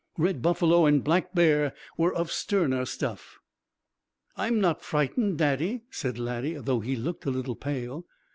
Red Buffalo and Black Bear were of sterner stuff. "I'm not frightened, Daddy," said Laddie, though he looked a little pale.